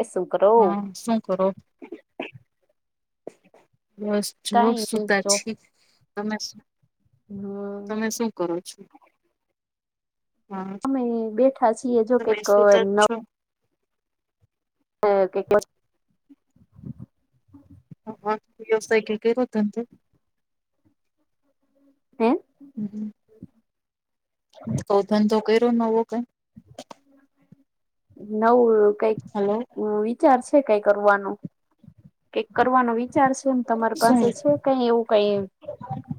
એસું. હા શું કરો? બસ. જોબ કઈ શું નહી તા છે આમાં હા. તમે શું કરો છો? હા અમે અહીયે બેઠા છીએ, જો કે તમે કંઇ સુતા ન જ છો હ. કેટલો હ વ્યવસાય કે કંઇ કર્યુંતું. [inaudible] હું. હ તો ધંધો કર્યો નવો કંઇ. નવ કઈક હલો મુવી વિચાર છે કઈ કરવાનો. કે કરવાનો વિચાર છે એમ તમારી શું પાસે છે. કઈ એવું કઈ,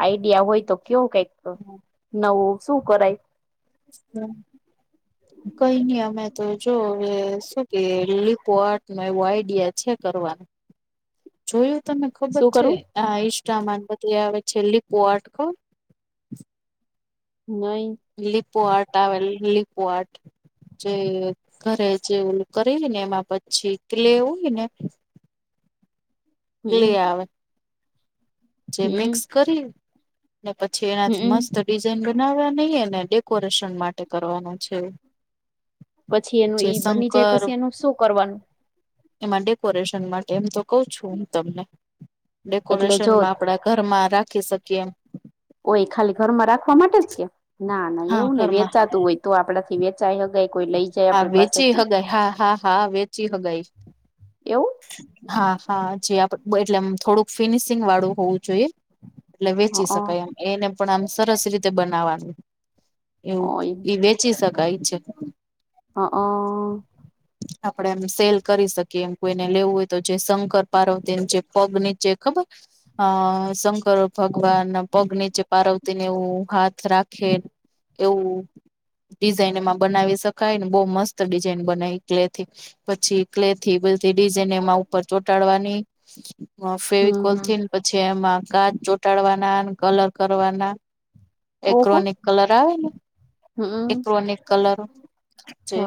આઈડિયા હોય તો કેવો કંઈક તો. નવુ શું કરાય? હમ. - [unintelligible] કઈ ની, અમે તો જો અવે, શું કેય? રીઈપોઆર્ટ નવો આઈડિયા છે કરવાનું. [unintelligible] જોયું તમને ખબર શું છે? કરવું આ ઈષ્ટમાં ને બધી આવે છે લિપો આર્ટ ખબર. નહી. લીપો આર્ટ આવે, લીપો આર્ટ. જેય ઘરે જે ઓલું કરેલીને એમાં પછી કલે હોય ને. ક્લે હમ આવે. જે હમ મિક્સ કરી, ને પછી એનાથી હમ મસ્ત ડિઝાઇન બનાવવાની એને ડેકોરેશન માટે કરવાનું છે. પછી એનું જે ઈ બની જાય શંકર પછી એનું શું કરવાનું? એમાં ડેકોરેશન માટે એમ તો કઉ છું હું તમને, એટલે જો ડેકોરેશનમાં આપડા ઘરમાં રાખી શકીએ એમ. કોઈ ખાલી ઘરમાં રાખવા માટે જ કે? ના ના હા એવું નઈ ઘરમાં વેચાતું હોય તો આપડા થી વેચાય હકાય. આ વેચી હગાઈ હા હા હા વેચી હગાઈ. એવું? હા હા જે આપ એટલેમ થોડુંક ફિનિશિંગ વાળું હોવું જોઈએ. એટલે વેચી શકાય એમ. એને પણ આમ સરસ રીતે બનાવાનું, એવું ઈ વેચ ચી શકાય છે. હ અ આપણેે એમ સેલ કરી શકીએ એમ. કોઈને લેવું હોય તો જે શંકર પાર્વતીને જે પગ નીચે ખબર, અ શંકર ભગવાન પગ નીચે પારવતીને એવું હાથ રાખે, એવું. ડિઝાઇન એમાં બનાવી શકાય. ને બહુ મસ્ત ડિઝાઇન બનાવી ક્લેથી. પછી ક્લેથી બધી ડીઝાઈન એમાં ઉપર ચોંટાડવાની, એમાં ફેવિકોલથી. પછી એમાં કાચ ચોંટાડવાના ને કલર કરવાના, એક્રોનિક કલર આવે ને, એક્રોનિક કલર જે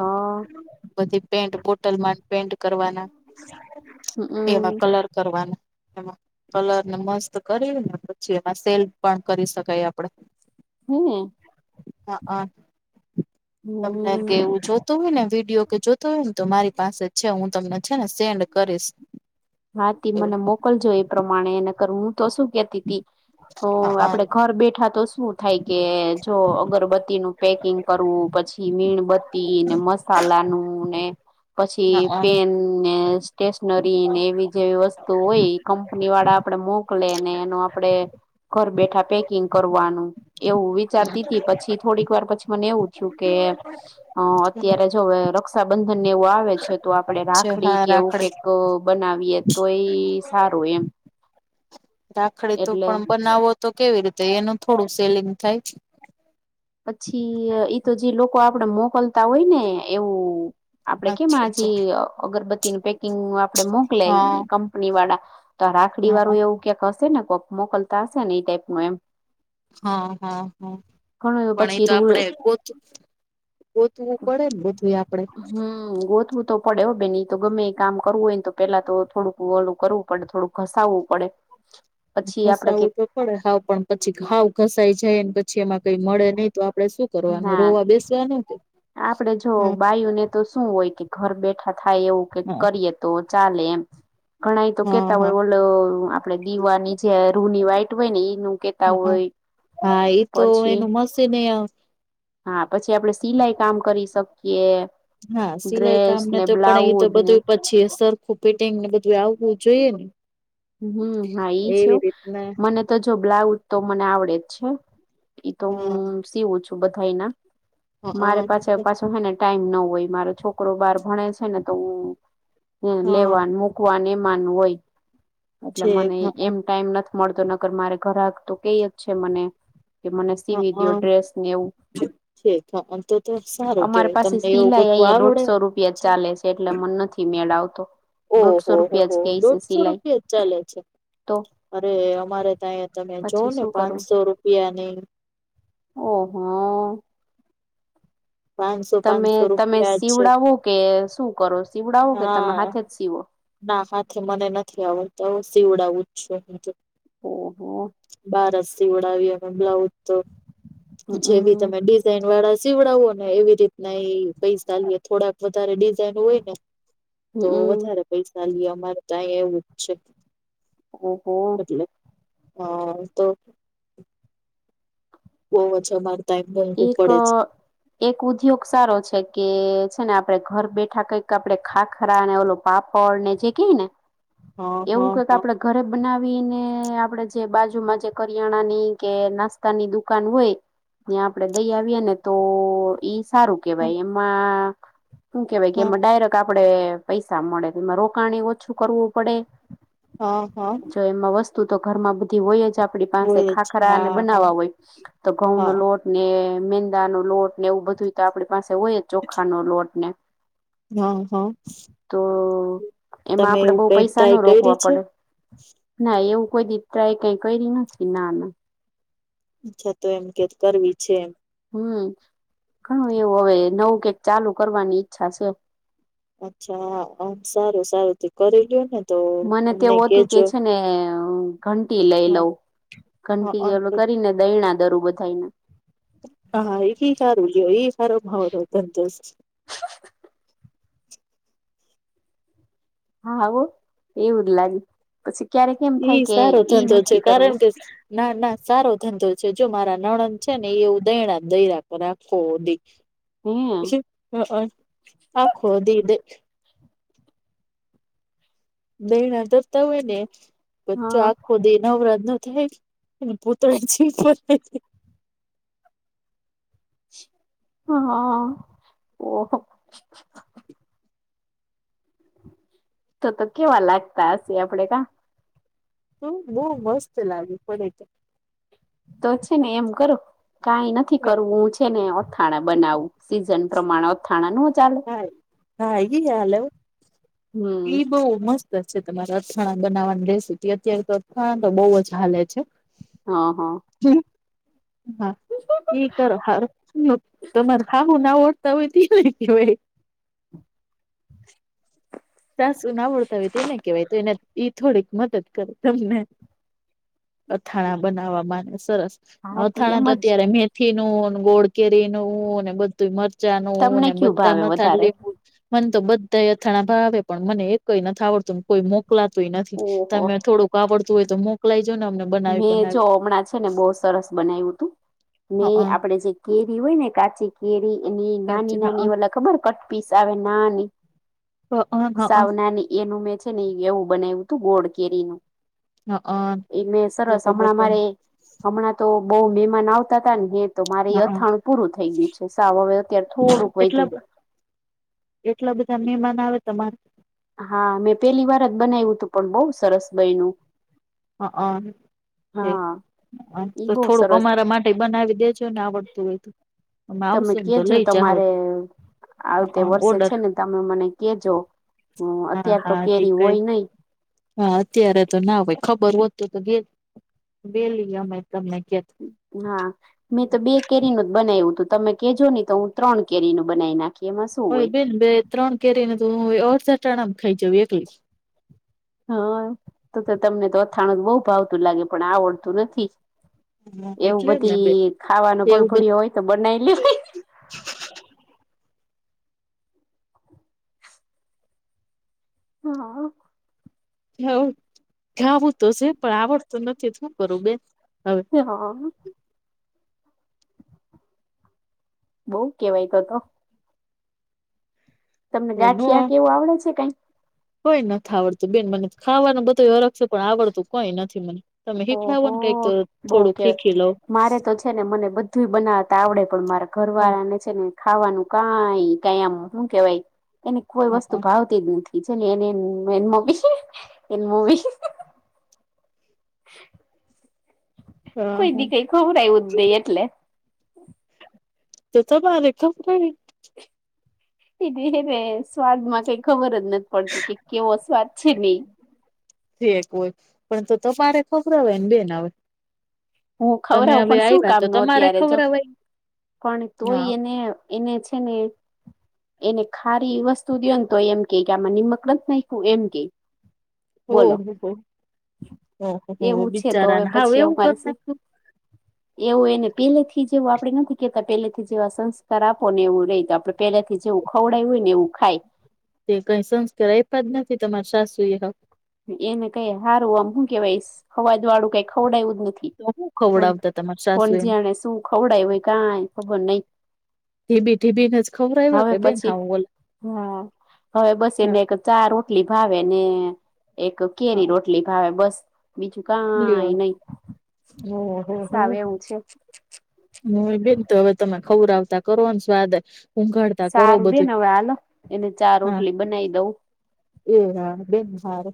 બધી પેન્ટ બોટલમાં જ પેન્ટ કરવાના. એવા કલર કરવાનું એમાં. કલર ને મસ્ત કરીને પછી એમાં સેલ પણ કરી શકાય આપડ. હે હા, તમને હમ. કેવું જો તો હોય ને વિડીયો કે જોતો હોય ને, તો મારી પાસે છે હું તમને છે ને સેન્ડ કરીશ. હાટી, મને મોકલજો એ પ્રમાણે એને કરવુ તો શું કે તી તી, તો આપડે ઘર બેઠા તો શું થાય કે, જો અગરબત્તીનું પેકિંગ કરવું પછી મીણબત્તી ને મસાલાનું ને પછી પેન ને સ્ટેશનરી ને. વિજય વસ્તુ હોય ઈ કંપની વાડા આપડે મોકલે ને એનો આપડે ઘર બેઠા પેકિંગ કરવાનું, એવું વિચારતી તી પછી થોડીક વાર પછી મને એવું છું કે, અ અત્યારે જો હવે રક્ષાબંધનને એવું આવે છે. તો આપડે છે રાખડી હા કે એવું રાખડી કઈક બનાવીએ, તો ઈ સારું એમ. રાખડી તો એટલે પણ બનાવો તો કેવી રીતે એનું થોડું સેલિંગ થાય? પછી ઈતો જે લોકો આપડે મોકલતા હોય ને એવું. આપડે કેમ આજે અચ્છા અગરબત્તી નું પેકિંગનું આપડે હા મોકલાઈવી કંપની વાળા. ત રાખડી હા હા વાળું એવું ક્યાંક હશે ને કોક મોકલતા હશે ને એ ટાઈપ નું એમ. હ હ હ. ઘણું પણ એ પછી તો રૂલ આપડે ગોત ગોતવું પડે ને બધું એ આપડે. હા ગોત તો પડે હો બેન ઈતો ગમે ઈ કામ કરવું હોય ને તો પેલા તો થોડુંક ઓલું કરવું પડે થોડુંક ઘસાવવું પડે. [inaudible] આપડે કે ઘસાવવું તો પડે હાવ પણ પછી હાવ ઘસાઈ જાય ને પછી એમાં કઈ મળે નહીિ તો આપડે શું કરવાનું ના રોવા બેસવાનું કે આપડે જો હા બાયુને તો શું હોય કે ઘર બેઠા થાય એવું કઈક હા કરીયે. તો ચાલે એમ. ઘણા એ તો હા કેતા હા હોય ઓલો આપડે દીવાની જે રૂની વાઈટ હોય ને એનું કેતા હા હા હોય. [unintelligible] હા એ તો પછી એનું હશે ને યાર. હા પછી આપડે સિલાઈ કામ કરી શકીએ. હા સિલાઈ કામ ડ્રેસ ને તો પણ એ તો બ્લાઉઝ ને બધું જે સરખું ફિટિંગને બધું આવવું જોઈએ ને. હમ હા ઈ છે હો એવી રીતના મને તો જો બ્લાઉઝ તો મને આવડે જ છે. ઈ તો હા હું સીવું છું બધાયના મારે હા પાછા પાછું હે ને ટાઈમ ન હોય મારો છોકરો બાર ભણે છે ને તો હું હા લેવા નુ મૂક. મુકવાને એમાનું હોય. એટલે છે મને હા એમ ટાઈમ નથી મળતો નકર મારે ઘરાગ તો કેય જ છે મને કે મને સીવી દયો હા ડ્રેસને એવું. છે તો તો સારું અમારે કેવાય પાસે તમને એવું સિલાઈ બધું અહિયાં આવડે દોઢસો ને રૂપિયા ચાલે છે. એટલે મન નથી મેળ આવતો. ઓહ હો દોઢસો રૂપિયા હો જ કેય છે દોઢ સો સિલાઈ રૂપિયા જ. ચાલે છે તો અરે અમારે તો આય તમે જોવ પછી ને શું કરવું પાનસો રૂપિયાની ઓહો. પાંચસો તમે પાંચસો તમે રૂપિયા જ છે સીવડાવો કે શું કરો? સીવડાવો કે તમે હા, હાથે જ સીવો ના હાથે મને નથી આવડતો હું સીવડાવું જ છું. ઓ હા. બારજ સિવડાવીએ અને બ્લાઉઝ તો જેવી હમમ તમે ડિઝાઇન વાળા સીવડાવોને એવી રીતના એ પૈસા લે થોડાક વધારે ડિઝાઇન હોય ને તો હમમ વધારે પૈસા લેય અમારે તાય એવું જ છે. ઓહો. હો તો. બોવ જમાર. એક. એક ઉદ્યોગ સારો છે કે છેને આપડે ઘર બેઠા કઈક આપડે ખાખરા ને ઓલો પાપડ ને જે કેઈ ને હા એવું હા કંઈક હા આપડે ઘરે બનાવીને આપડે જે બાજુમાં જે કરિયાણાની કે નાસ્તાની દુકાન હોય ત્યાં આપડે દઈ આવીએ ને તો ઈ સારું હા કેવાય એમાં હું કેવાય કે એમાં હા ડાયરેક્ટ આપડે પૈસા મળે એમાં રોકાણે ઓછું કરવું પડે. હા હા. તો એમાં વસ્તુ તો ઘરમાં બધી હોય જ આપ આપડી પાસે હોય જ ખાખરાને હા હા બનાવવા હોય તો ઘઉં નો હા લોટ ને મેંદાનો લોટ ને એવું બધુંય તો આપડી પાસે હોય ચોખાનો લોટ ને. હા હા. તો એમાં તમે આપડે એવું બઉ કઈ પૈસા ટ્રાય ન કરી રોકવા છે? પડે. ના એવું કોઈ દી ટ્રાય કઈ કયરી નથી ના ના અચ્છા તો એમ કે કરવી છે એમ હમ ઘણું હવે નવું કઈક ચાલુ કરવાની ઈચ્છા છે. અચ્છામ સારું સારું તે કરી લ્યો ને. તો મને અમને એવું હતું કે કેજો. છે ને ઘંટી લઈ હા લઉં, હા ઘંટી આમ તો કરીને દયણા દરું બધાઈને. હા એ સારું એ સારો ભાવ હતો. હા એવું જ લાગે, પછી ક્યારેક કેમ ઈ થાય કે સારો ઈ ધંધો છે નથી કરવું. કારણ કે ના ના સારો ધંધો છે જો મારા નણદ છે ને એવું દયણા દરા આખો દિ. હે. હકન આખો દી દૈણા દરતા હોય ને, બ્ચો હા આ [unintelligible] હા, ઓહ. તો તો કેવા લાગતા હશે આપડે કા. બહુ મસ્ત લાગ્યું છે. તો છે ને એમ કરો કઈ નથી કરવું હું છે ને અથાણું બનાવું. સિઝન પ્રમાણે અથાણા ન ચાલે? હ હા હાલે, હો હમ એઈ બો મસ્ત તમારે અથણા બનાવવાની રેસીપી અત્યારે તો અથણા તો બહુ જ હાલે છે. હ હ. [unintelligible] ત હોય હોય ભાઈ. સાસુ ના આવડતા હોય તે એને કેવાય તો એને થોડીક મદદ કરે તમને. અથાણા બનાવામાં સરસ, હા તી અથાણા એમ તો જ અત્યારે મેથી નું, ગોળ કેરી બધું. ત મરચા તમને નને કયું બધા ભાવે મથાણ વધારે લીંબુ, મને તો બધા અથાણા ભાવે. પણ મને એક નથી આવડતું કોઈ મોકલાતુંય નથી, ઓહો તમે થોડુંક આવડતું હોય તો મોકલાયજો ને અમને. બનાવી મેં જો બનાવી હમણાં છે ને બહુ સરસ બનાવ્યું હતું, હઅ મેં આપણેે જે કેરી હોય ને કાચી કેરી એની નાની કાચી હઅ નાની ઓલા ખબર પીસ આવે નાની, હઅ હઅ સાવ નાની એનું મેં છે. એવું બનાવ્યું તું ગોડ કેરીનુ. [unintelligible] સરસ હમણાં બતો મારે હમણાં તો બહુ મહેમાન આવતા હતા ને જે તો મારે હઅ અથાણું પૂરું થઈ ગયું છે, સાવ હવે અત્યારે થોડુંક એટલા વધું. એટલા બધા મહેમાન આવે તમારે? હા મેં પેલી જ બનાવ્યું પણ બહુ સરસ બનું. હકન હા ઈ તો બહુ થોડુંક સરસ અમારા માટે બનાવી દેજો ને આવડતું હોય તું. તમે કેજો તમારે આવતે હઅ વર્ષે ઓર્ડર છે તમે મને કહેજો, હા અત્યાર તો હા તે કેરી કઈ હોય નહિ. હા અત્યારે તો ના હોય. ખબર હોતું તો ગે વેલી અમે તમને કેત. હા મેં તો બે કેરીનું જ બનાવ્યું હતું તમે કેજો નહી તો હું ત્રણ કેરી નું બનાવી નાખી. એમાં શું હો હોય બેન બે ત્રણ કેરીને તો હું અડધા ટાણામા ખાઈ જઉ એકલી. હા, તો તો તમને તો અથાણું બહુ ભાવતું લાગે પણ આવડતું નથી. એકલી એવું એટલે જ ને બે બધી ખાવાનો એવું ભળભળયો હોય તો બનાવી લેવા. હા હા. ખ ખાવું તો છે પણ આવડતું નથી શું કરું બેન હવે હા બઉ કેવાય તો તો તમને હવે ન ગાંઠિયા કેવું આવડે છે કંઈક કોઈ નથી આવડતું બેન મને ખાવાનું બધો હરખ છે પણ આવડતું કોઈ નથી મને તમે હિખડવોને કઈ ઓહો બઉ થોડુંક કેવાય હીખી લઉ મારે તો છે ને મને બધું બનાવતા આવડે પણ મારા ઘરવાળા ને છેને ખાવાનું કાઈ કાઈ આમ શું કેવાય એને કોઈ વસ્તુ ભાવ [unintelligible] કોઈ દી કઈ ખવરાયું જ નહી એટલે તો તમારે ખબરાવી [unintelligible] એને સ્વાદમાં કઈ ખબર જ નથી પડતી કે કેવો સ્વાદ છે ને ઈ થી એક હોય પણ તો તમારે ખવરાવાયને બેન હવે હું તમે ખવરાવું હવે પણ શું આવ્યા તો કામનું તમારે અત્યારે જો ખવરાવાય પણ તોય હા એને એને છે ને એને ખારી વસ્તુ દયોન તો એમ કે કે આમાં નિમક નથી નાખું એમ કે ઓ બોલો હોહો ઓહ હો હો એવું છે તો હવે બિચારાને હાવ પછી એવું કર મારે શું નાખ્યું એવું એને પેલે થી જેવું આપડે નથી કેતા પેલેથી જેવા સંસ્કાર આપો ને એવું રે તો આપડે પેલાથી જેવું ખવડાયું હોય ને એવું ખાય તે કઈ સંસ્કાર આપ્યા જ નથી તમારા સાસુ એ હાવ એને કાઈ હારું આમ હું કેવાય હવાદ વાળું કઈ ખવડાયું જ નથી તો હું ખવડાવતા તમારા સાસુ કોણ-કોણ એને જાણે શું ખવડાયુ હોય કાઈ ખબર નહી ઢીબી-ઢીબીને જ ખવરાવ્યા કે હવે બેન પછી હાવ બોલ હા હવે બસ એને એક ચા રોટલી ભાવે ને એક હા કેરી રોટલી ભાવે બસ બીજું કાઇ લ્યો નઈ સાવ એવું છે. હય બેન તો હવે તમે ખવરાવતા કરો ને સ્વાદ ઊંઘાડ સારું બેન હવે હાલો એને ચા હા રોટલી બનાવી દઉં એ હા બેન સારુ